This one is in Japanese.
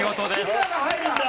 滋賀が入るんだ。